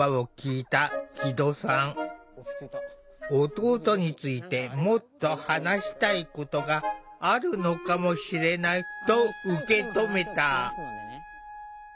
弟についてもっと話したいことがあるのかもしれないと受け止めた。